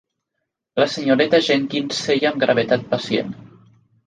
La senyoreta Jenkyns seia amb gravetat pacient.